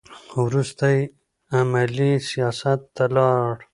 وروسته یې عملي سیاست ته لاړ.